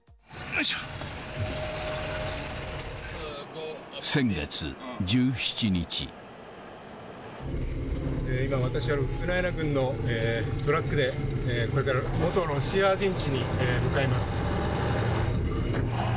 今、私はウクライナ軍のトラックでこれから元ロシア陣地に向かいます。